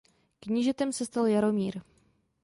Knížetem se stal Jaromír.